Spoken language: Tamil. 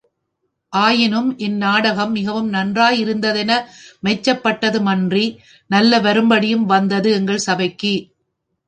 ஆயினும் இந் நாடகம் மிகவும் நன்றாயிருந்ததென மெச்சப்பட்டதுமன்றி, நல்ல வரும்படியும் வந்தது எங்கள் சபைக்கு.